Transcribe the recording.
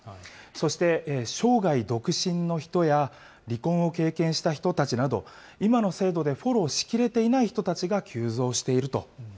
そして、生涯独身の人や、離婚を経験した人たちなど、今の制度でフォローしきれていない人たちが急増していると。